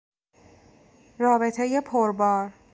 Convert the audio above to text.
رابطهی پربار